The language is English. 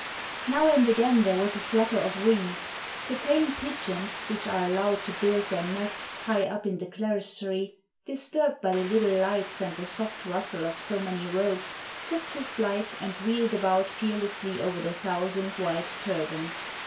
" Now and again there was a flutter of wings — the tame pigeons which are allowed to build their nests high up in the clerestory, disturbed by the little lights and the soft rustle of so many robes, took to flight and wheeled about fearlessly over the thousand white turbans.